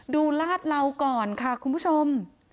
ลาดเหลาก่อนค่ะคุณผู้ชม